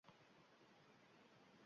Eldan omad ketsa, dastlab